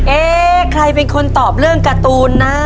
เอ๊ใครเป็นคนตอบเรื่องการ์ตูนนะ